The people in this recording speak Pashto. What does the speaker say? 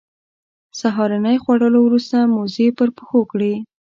سهارنۍ خوړلو وروسته موزې پر پښو کړې.